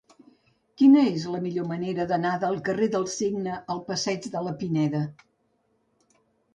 Quina és la millor manera d'anar del carrer del Cigne al passeig de la Pineda?